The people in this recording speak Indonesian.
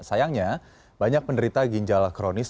sayangnya banyak penderita ginjal kronis